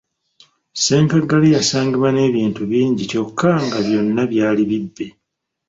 Ssenkaggale yasangibwa n’ebintu bingi kyokka nga byonna byali bibbe.